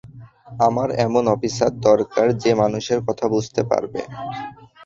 আমার এমন অফিসার দরকার, যে মানুষের কথা বুঝতে পারবে।